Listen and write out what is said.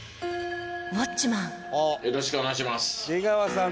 よろしくお願いします。